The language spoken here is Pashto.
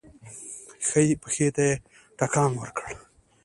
ښی پښې ته يې ټکان ورکړ.